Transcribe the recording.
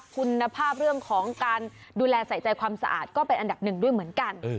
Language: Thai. คุณภาพเรื่องของการดูแลใส่ใจความสะอาดก็เป็นอันดับหนึ่งด้วยเหมือนกัน